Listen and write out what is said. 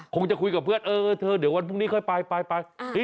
คงจะคุยกับเพื่อนเออเธอเดี๋ยววันพรุ่งนี้ค่อยไป